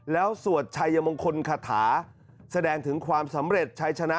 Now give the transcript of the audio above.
แล้วสวดชัยมงคลคาถาแสดงถึงความสำเร็จชัยชนะ